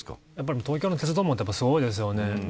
東京の鉄道網ってすごいですよね。